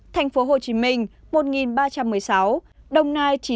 thành phố hồ chí minh